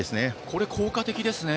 これは効果的ですね。